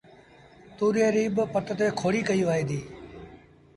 تُوريئي ريٚ با وڏُ پٽ تي کوڙيٚ ڪئيٚ وهي ديٚ